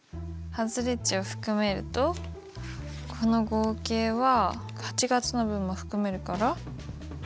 外れ値を含めるとこの合計は８月の分も含めるから。